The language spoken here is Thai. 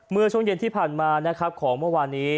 เมื่อช่วงเย็นที่ผ่านมานะครับของเมื่อวานนี้